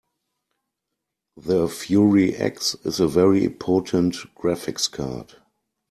The Fury X is a very potent graphics card.